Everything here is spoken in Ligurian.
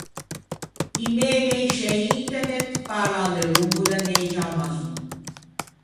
I meme in sce internet parlan delongo da negia à Mason.